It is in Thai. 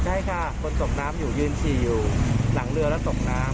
ใช่ค่ะคนตกน้ำอยู่ยืนฉี่อยู่หลังเรือแล้วตกน้ำ